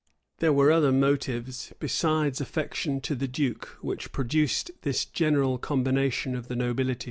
[] There were other motives, besides affection to the duke, which produced this general combination of the nobility.